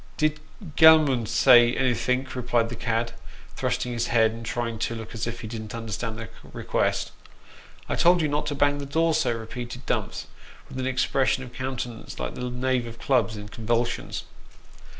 "Did any gen'lm'n say anythink?" replied the cad, thrusting in his head, and trying to look as if he didn't understand the request. " I told you not to bang the door so !" repeated Dumps, with an expression of countenance like the knave of clubs, in convulsions.